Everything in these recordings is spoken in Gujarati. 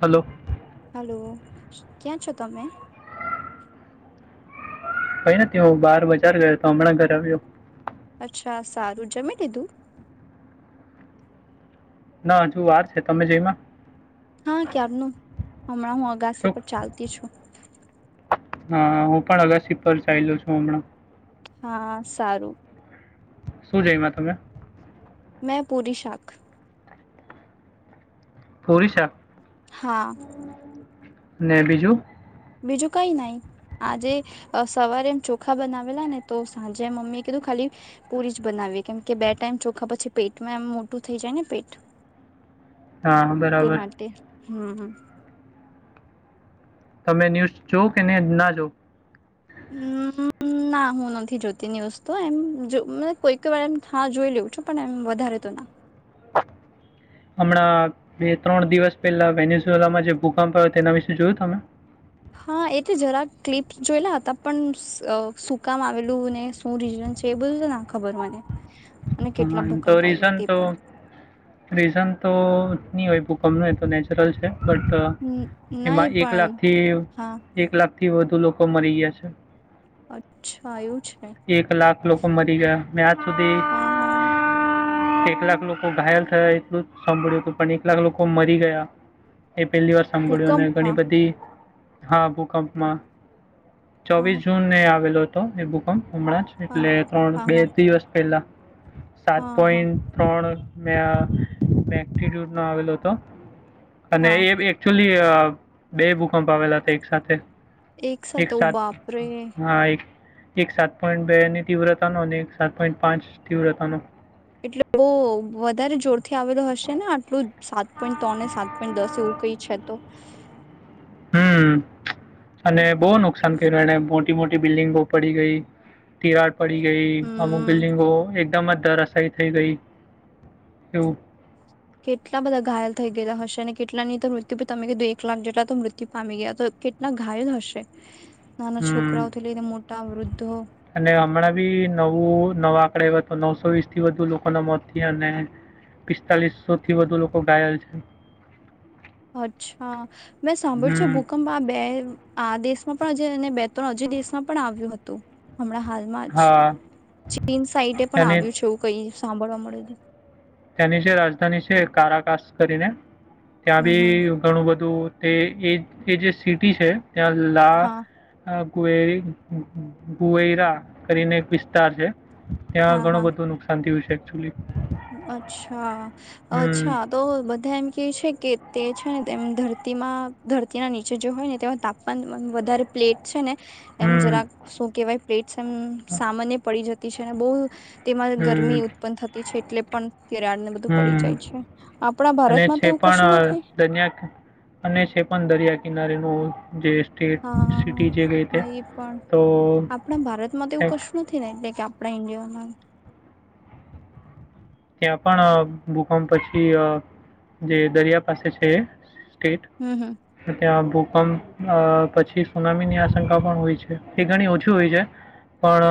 હલો હલો ક્યાં છો તમે ભઈ નથી હું બહાર બજાર ગયો તો હમણાં ઘર આવ્યો અચ્છા સારું જમી લીધું? ના હજુ વાર છે તમે જઈમાં હા કાર નુ હમણાં હું શું અગાસી પર ચાલતી છું. હા હું પણ અગસી પર ચાલ્યો છું હમણાં. હા સારું. શું જઈમાં તમે? મેં પૂરી શાક. પૂરી શાક? હા. ને બીજું? બીજું કઈ નઈ. આજે સવારે એમ ચોખા બનાવેલા ને તો સાંજે મમ્મી એ કીધું ખાલી પુરી જ બનાવ કેમ કે બે ટાઈમ ચોખા પછી પેટમાં એમ મોટું થઈ જાય ને પેટ. હા તે બરાબર માટે. હમ. તમે ન્યુઝ જો કે નહી ના જો? હમ ના હું નથી જોતી ન્યુઝ તો એમ કોઈકઈ વારમ હા જોઈ લેઉં છું. પણ એમ વધારે તો ના. [inaudible] હમણાં બે ત્રણ દિવસ પહેલા વેનસોલામાં જે ભૂકંપ આવયો તેના વિશે જોયું તમે? હા, એ તો જરા ક્લિપ્સ જોયેલા હતા પણ સુકામાં આવેલું ને શું રીજન છે એ બધું તો ના ખબર મને. અને હા કેટલા તો ભૂકંપ આવ્યા રીઝન તે તો રીઝન તો નહી હોય ગમનું એ તો નેચરલ છે, બટ પણ એમાં નહી એક પણ લાખથી હા એક લાખથી વધુ લોકો મરી ગયા છે. અચ્છા, એું એક લાખ લોકો મરી ગયા. મેં આજ સુધી હા હા એક લાખ લોકો ઘાયલ થયા એટલું જ સાંભળ્યું હતું પણ એક લાખ લોકો મરી ગયા. એ પહેલી વાર સાંભળ્યું અને ઘણી ભૂકંપમાં બધી, હા ભૂકંપમાં હા ચોવીસ જૂનને આવેલો હતો એ ભૂકંપ હમણાં જ હા એટલે ત્રણ હા બે હા દિવસ પહેલા. સાત હા હા પોઈન્ટ ત્રણ મે ન આવેલો હતો અને હા એ એકચુલી બે ભૂકંપ આવેલા હતા એક સાથે એક સાથે, હા એક એક સાત પોઈન્ટ બે ની તીવ્રતા ન અને એક સાત પોઈન્ટ પાંચ, તીવ્રતા ન એટલે બહ વધારે જોરથી આવેલો હશે ને આટલું જ સાત પોઈન્ટ ત્રણ ને સાત પોઈન્ટ દસ એવું કઈ છે તો હમ અને બહુ બાપરે નુકસાન કર્યું એને મોટી-મોટી બિલ્ડિંગો પડી ગઈ, તિરાડ પડી ગઈ, અમુક હમ બિલ્ડિંગો એકદમ જ ધ રશાયી થઈ ગઈ એવું કેટલા બધા ઘાયલ થઈ ગયા હશે અને કેટલાની તો મૃત્યુ તમે કધો એક લાખ જેટલા તો મૃત્યુ પામી ગયા તો કેટલા ઘાયલ હશે, નાના છોકરાઓથી હમ લઈને મોટા વૃદ્ધો અને હમણાં બી નવું નવ આકડ એ તો નવ સો વીસ થી વધુ લોકોના મોત થયા અને પિસ્તાલીસસો થી વધુ લોકો ઘાયલ છે. અચ્છા, મેં સાંભળ છે હમ ભૂકંપ આ બે આ દેશમાં પણ બે ત્રણ હજી દેશમાં પણ આવ્યું હતુ. હમણાં હાલમાં જ હા ચીન સાઈટે પણ ત્યાંની આવ્યું છે એવું કઈ સાંભળવા મળ્યું. ત્યાંની જે રાજધાની છે કારાકાસ કરીને ત્યાં હમ બી હમ ઘણું બધું તે એ એ જે સિટી છે લા હા કુવેરી કુવેરા કરીને એક વિસ્તાર છે. ત્યાં હા હા ઘણું બધું નુકસાન થયું છે એકચુલી. અચ્છા, હમ અચ્છા તો બધા એમ કે છે કે તે છે ને તેમ ધરતીમાં ધરતીના નીચે જો હોય ને તેમાં તાપમાન વધારે પ્લેટ છે ને એમ હમ જરાક શું કેવાય પ્લેટસ એમ સામાન્ય પડી જતી છે અને બોહ તેમાં ગરમી હમ ઉત્પન્ન થતી છે એટલે પણ તિરાડ ને બધું પડી હમ જાય છે. આપણા અને ભારતમાં તો છે એવું કશું પણ નથી. દરિયા અને છે પણ દરિયા કિનારેનું જે સ્ટેટ સિટી જે કહે તે હા એ પણ તો આપણા ભારતમાં તો એવું ત્યાં કશું નથી ને એટલે કે આપણા ઇન્ડિયામા ત્યાં પણ અ ભૂકંપ પછી અ જે દરિયા પાસે છે એ સ્ટેટ હમ હમ અને ત્યાં બુક પણ અ પછી સુનામીની આશંકા પણ હોય છે એ ઘણી ઓછી હોય છે પણ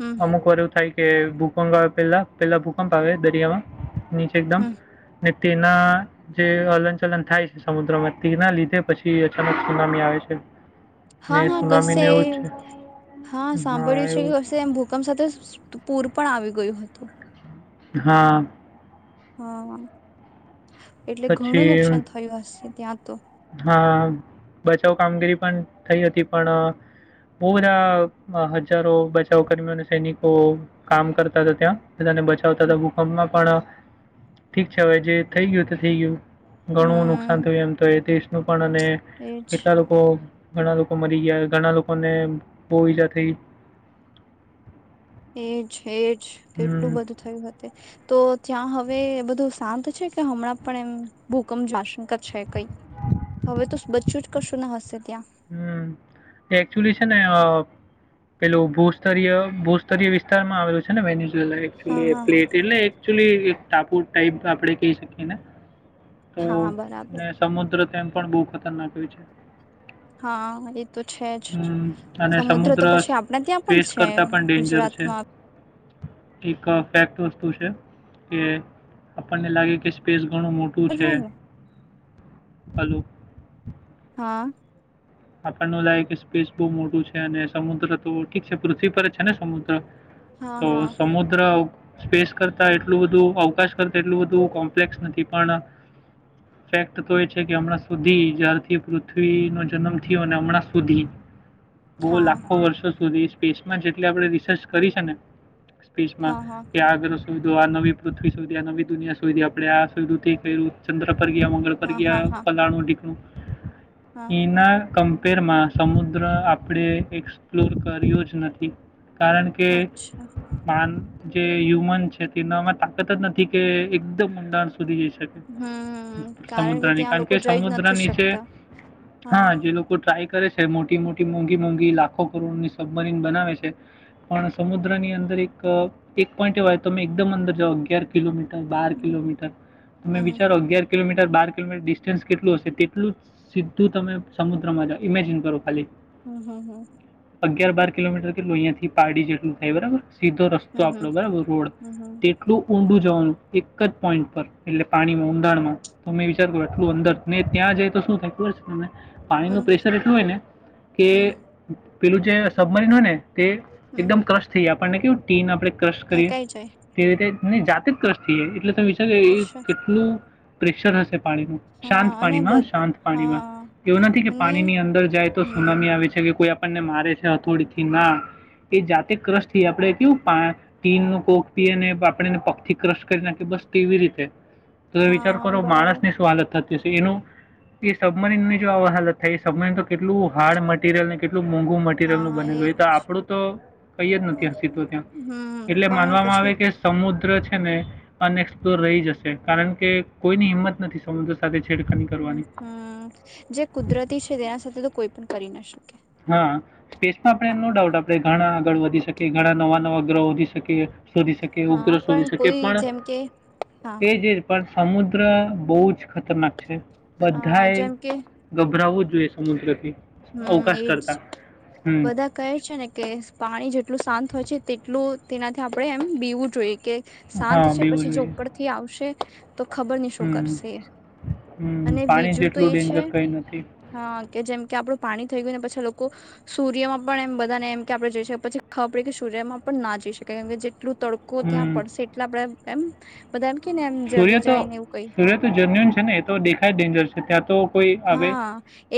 હમ અમુક વાર એવું થાય કે ભૂકંપ આવે પેલા પેલા ભૂકંપ આવે દરિયામાં નીચે એકદમ હમ ને તેના જે હલન ચલન થાય છે સમુદ્રમાં તેના લીધે પછી અચાનક સુનામી આવે છે. ને હા-હા કસે સુનામીને એવું જ છે હા સાંભળ્યું છે કે વર્ષે એમ ભૂકંપ સાથે પૂર પણ આવી ગયું હતું. હા. હા એટલે ઘણું પછી નુકસાન થયું હશે ત્યાં તો. હા બચાવ કામગીરી પણ થઈ હતી પણ બોઉ બધા હજારો બચાવ કર્મીઓ અને સૈનિકો કામ કરતા હતા ત્યાં. બધાને બચાવતા હતા ભૂકંપમાં પણ ઠીક છે હવે જે થઈ ગયું તે થઈ ગયું. ઘણું નુકસાન હમ થયું એમ તો એ દેશનું પણ અને એજ કેટલા લોકો ઘણા લોકો મરી ગયા. ઘણા લોકોને બહુ ઈજા થઈ. એજ એજ હમ કેટલું બધું થયું હતે તો ત્યાં હવે બધું શાંત છે કે હમણાં પણ એમ ભૂકંપ જ આશંકા છે કઈ. હવે તો બચિયું જ કશું ના હશે ત્યાં. હમ્મ એકચુલી છે ને અ પેલું ભૂસ્તરીય-ભૂસ્તરીય વિસ્તારમાં આવેલું છે ને વેનીશ પ્લેટ હા એ હા પ્લેટ એટલે એક્ક્યુલી એક ટાપુ ટાઈપ આપડે કહી શકીયે એને. તો હા બરાબર ને સમુદ્ર તેમ પણ બહુ ખતરનાક હોય છે. હા એ તો છે જ અને સમુદ્ર તો પછી આપણા ત્યાં પણ સ્પેસ છે કરતા પણ ડેન્જર છે. ગુજરાતમાં એક ફેક્ટ વસ્તુ છે કે આપણને લાગે કે સ્પેસ ઘણું મોટું જ છે. હોય ને હાલો. હા. આપણને એવુ લાગે કે સ્પેસ બહુ મોટું છે અને સમુદ્ર તો ઠીક છે પૃથ્વી પર જ છે ને સમુદ્ર હા તો હા સમુદ્ર સ્પેસ કરતા એટલું બધું અવકાશ કરતા એટલું બધું કોમ્પ્લેક્સ નથી પણ ફેક્ટ તો એ છે કે હમણાં સુધી જ્યારથી પૃથ્વીનો જન્મ થિયું હમણાં સુધી બહુ હા લાખો વર્ષો સુધી સ્પેસમાં જેટલી આપણે રિસર્ચ કરી છે ને સ્પેસમાં હા હા હા કે આગળ શોધીયું આ નવી પૃથ્વી સુધી આ નવી દુનિયા શોઇધી આપડે આ શોધીયું તે કઇરુ ચંદ્ર પર ગિયા. મંગલ પર હા હા ગિયા હા ફલાણું દીકણું હા એના કમ્પેરમાં સમુદ્ર આપણે એક્સપ્લોર કર્યો જ નથી. કારણ કે અચ્છા માન જે હ્યુમન છે તેને અમે તાકાત જ નથી કે એકદમ ઊંડાણ સુધી જઈ શકે હમ કારણ સમુદ્રની ત્યાં કારણ લોકો કે જઈ જ સમુદ્ર નથી નીચે શકતા હા જે લોકો ટ્રાય કરે છે મોટી-મોટી મોંઘી-મોંઘી લાખો કરોડની સબમરીન બનાવે છે પણ સમુદ્રની ની અંદર એક એક પોઈન્ટ એવાય તમે એકદમ અંદર જાવ અગિયાર કિલોમીટર હમ બાર હમ કિલોમીટર તમે હમ વિચારો અગિયાર કિલોમીટર બાર, કિલોમીટર ડિસ્ટન્સ કેટલું હશે, તેટલું સીધું તમે સમુદ્ર જા ઇમેજિન કરો ખાલી હમ્મ, હમ્મ હા અગિયાર બાર કિલોમીટર કે લોહીિયાંથી, પાડી જેટલું થાય બરાબર સીધો રસ્તો આપણો હમ બરાબર, રોડ હમ હમ તેટલું ઊંડું જવાનું એક જ પોઈન્ટ પર એટલે પાણીમાં ઉઊડાણમાં, તો મેં વિચાર કરો આટલું અંદર ને ત્યાં જાય તો શું થતું હો છે, તને હમ પાણીનું હમ પ્રેશર એટલું હોય, ને કે હમ પેલું જે સબમરીન હો, ય ને તે હમ એકદમ ક્રશ થઈ આપણને કેવું ટીન આપણે ક્ર કરીએ ફેંકાઈ જાય તે રીતે જાતે, જ ક્ર થઈાય એટલે તમે વિચાર અચ્છા કેટલુ પ્રેશર હશે, પાણીનું હા શાંત અને પાણીમાં, બધ શાંત પાણીમાં હા એવું નથી, કે અને પાણીની અંદર જાય, તો હમ સુનામી આવે છે, કે કોઈ આપણને મારે છે હથોડી થી ના એ જાતે ક્રશ થી, આપણે કેવું પા ટીન નું કોક પી અને આપણેને પગ થી, ક્રશ કરી નાખ બસ કેવી રીતે તો વિચાર હા કરો બરાબર માણસની શું હાલત થતી છે, એનું એ સબમરીનની જો આવા હાલત થઈ, સમય તો કેટલું હાર્ડ મટીરિયલ ને કેટલું ટલું મોંઘુ મટીરિયલનુ હા બનેલું એ એજ તો આપણું તો કઈ જ નથી. હસી તો ત્યાં હમ એટલે પણ માનવામાં પછી આવે, કે સમુદ્ર ને અનએક્સપ્લોર રહી, જશે કારણ કે કોઈની હિંમત નથી, સમુદ્ર સાથે છેડખાની હમ, કરવાની હમ જે કુદરતી છે, તેના સાથે તો કોઈ પણ કરી ના શકે હા, સ્પેસમાં આપણે નો હા ડાઉટ આપણે ઘણા આગળ વધ શકે ઘણા નવા, નવા ગ્રહો થઈ, શકે શોધી શકે, હા ઉગ્ર શોધી પણ શકે કોઈ પણ જેમ કે એ જે પણ સમુદ્ર બહુજ ખતરનાક છે, હા બધાએ જેમ ગભરાવું જ એ સમુદ્રથી. હા, એ અવકાશ કરતાં હમ બધા કહે છેને, કે પાણી જેટલું શાંત હોય છે, તેટલું તેનાથી આપણે એમ પીવું જોઈએ કે સાજ હા છે, બીવું પછી જો જોઈએ ઉપરથી આવશે તો ખબર નહી, શું હમ કરશે હમ અને પાણી બીજું તો જેટલું એ છે, ડેન્જર કંઈ નથી હા કે જેમ કે આપડું પાણી થઈ, ગયુંને પછી લોકો સૂર્યમાં પણ એમ બધાને એમ કે આપડણે જોઈ. શએ પછી ખબ પડે કે સૂર્યમાં પણ ના જ મ જેટલું તડકોું, ત્યાં હમ પડશે એટલા આપડે એમ બધા કે ને એમ જલી સૂર્ય તો જાય ને એવું કઈ સૂર્ય તો જન્યુન છેને, એ તો દેખાય ડેન્જર છે, ત્યાં તો કોઈ આવે હા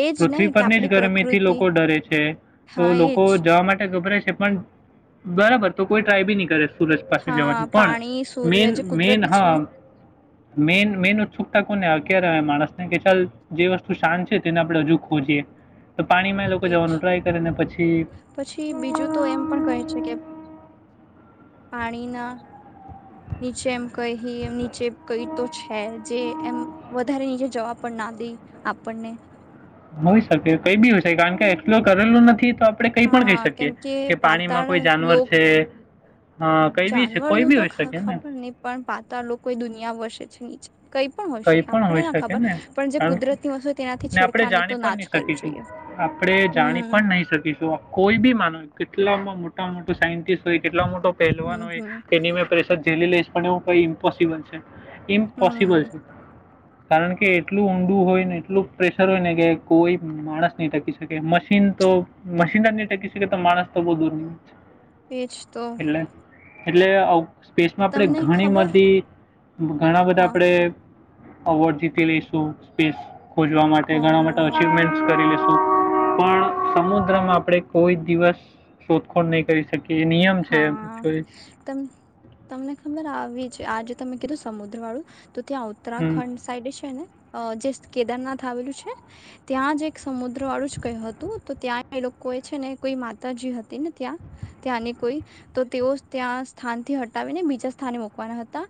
એજ ને પૃથ્વી, કે પરની જ આપડી ગરમીથી પ્રકૃતિ લોકો ડરે છે. તો હા લોકો એજ જવા માટે ગભરે છે, પણ બરાબર તો કોઈ ટ્રાય બી નહી, કરે સુરજ પાસે હા જવાની પણ પાણી મેન સૂર્ય જે મેન કુદરતી હા છે [inaudible] મેન, મેન ઉત્સુકતા કોને આવે ક્યારે આવે માણસને કે ચાલ જે વસ્તુ શાંત છે. તેને આપણે હજુ ખોજએ તો પાણીમાં એ લોકો એજ જવાનું, ટ્રાય કરે ને પછી પછી બીજું તો એમ પણ કહે છે કે પાણીના નીચે એમ કઈ એમ નીચે કઈ તો છે, જે એમ વધારે નીચે જવા પડે ના, દે આપણને. હોય, શકે કઈ બી છે, કારણ કે એક્સપ્લોર કરેલું નથી. તો આપણે કઈ પણ કહી હા કેમ શકીએ કે, પાણીમાં પાતાળ કોઈ જાનવર લોક છે. અ, કંઈ બી છે કોઈ જાનવરનું બી હોઈ ખાસ, તો શકે ને ખબર નહી પણ પાતાળ લોકો દુનિયા વસે છે, નીચે. કઈ પણ હોય, કંઈ શકે પણ હોઈ આપણને ના શકે ખબર ને પણ જે કારણ કે કુદરતની વસ્તુ હોય, તેનાથી છેડકાની તો નાજ કરવી જોઈએ. આપણેે જાણી હમ પણ નહી, શકીશું કોઈ બી માનો કેટલા મોટામાં મોટા સાયન્ટિસ્ટ હોય, કેટલા મોટો હમ પહેલવાન હોય હમ એની મેં પરેશદ ઝીલી લઈશ પણ એવું કંઈ ઇમ્પોસિબલ છે, ઇમ્પોસિબલ હમ છે. કારણ કે, એટલું ઊંડું હોય, ને એટલું પ્રેશર હોય ને કે, કોઈ માણસ નહી, ટકી શકે એમજ એમ તો મશીન જ ન ટકી શકે, તો માણસ તો બહુ દૂર એજ તો. એટલે, સ્પેસમાં આપણે તમને ઘણી ખબર બધી, ઘણા બધા હા આપણેે અવોર્ડ જીતી લઈશું. સ્પેસ ખોજવા માટે હા ઘણા માટે હા અચવમેન્ટ કરી લઈશું. પણ સમુદ્રમાં આપણે કોઈ દિવસ શોધખોળ નહીં કરી શકીએ. એ નિયમ છે હા, જો એ. તમ તમને ખબર આવી. આજ તમે કીધું સમુદ્રવાળું તો ત્યાં હમ ઉત્તરાખંડ સાઈડે છે ને. આ જે કેદારનાથ આવેલું છે. ત્યાં જ એક સમુદ્ર વાળું જ કહ્યું હતું તો ત્યાં એ લોકો કોઈ છે ને, કોઈ માતાજી હતી ને ત્યાં. ત્યાંની તો તેઓ ત્યાં સ્થાનથી હટાવીને બીજા સ્થાને મકવાના હતા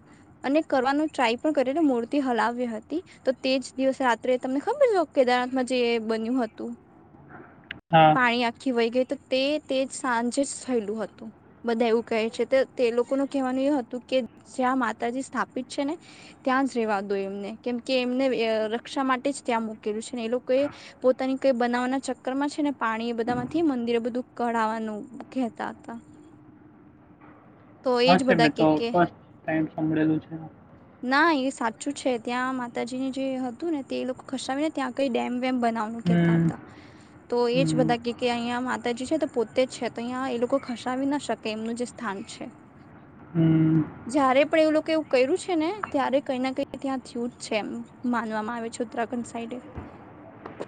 અને કરવાનું ટ્રાય મૂઁતિ હલાવી હતી, તો તેજ દિવસે રાત્રે તમને ખબર, કેદારનાથમાં જે બન્યું. હતું. [unintelligible] હા પાણી આખી વહી ગઈતો તે, તે જ સાંજે જ થયેલું હતું. બધા એવું કહે છે, તો તે લોકોનું કહેવાનું એ હતું કે, જ્યાં માતાજી સ્થાપિત છે ને ત્યાં જ રેવા દો એમને. કેમ કે, એમને રક્ષા માટે જ ત્યાં મૂકેલું છે ને એ લોકોએ પોતે ત કંઈ બનાવવાના ચક્કરમાં છે ને પાણીએ બધામાંથી મંદિરે બધું કઢાવાનું કહેતા હતા. તો એજ નમસ્તે બધા કે મિત્રો, કે ફસ્ટ ટાઈમ સાભળેલું છે. હા, એ સાચું છે. ત્યાં માતાજીને જે હતું ને તે એ લોકો ખસાવીને ત્યાં કંઈ ડેમ ડેમ બનાવા કેહતા હમ હતા, તો એજ હમ બધા કહે, અહીંયા માતાજી છે, તો તે છે, તો અહીં એ લોકો ખસાવી ના શકે. એમનું જે સ્થાન છે. હમ જયારે પણ એવું લોકો એવું કર્યું છે. ને ત્યારે કઈ ના કઈ ત્યાં થયું જ છે, એમ માનવામાં આવે છે. ઉત્તરાખંડ સાઈડ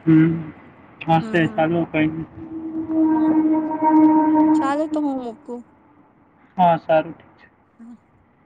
હમ, હશે. ચાલું, કંઈ નહીં. હા. ચાલ તો, હું મૂકું. હા, સારું ઠીક છે. [unintelligible]